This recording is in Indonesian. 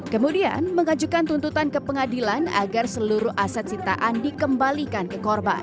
kemudian mengajukan tuntutan ke pengadilan agar seluruh aset sitaan dikembalikan ke korban